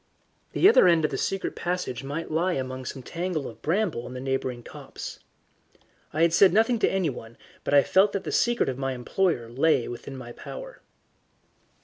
The other end of the secret passage might lie among some tangle of bramble in the neighbouring copse. I said nothing to anyone, but I felt that the secret of my employer lay within my power.